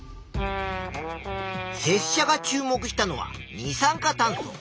せっしゃが注目したのは二酸化炭素。